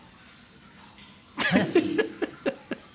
ハハハハ！